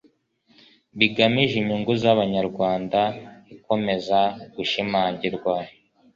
bigamije inyungu z'abanyarwanda ikomeza gushimangirwa